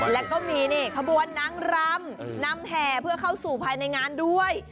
แล้วก็มีนี่ขบวนนางรำนำแห่เพื่อเข้าสู่ภายในงานด้วย